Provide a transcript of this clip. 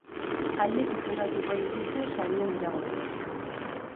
Haiek izendatuko dituzte sarien irabazleak.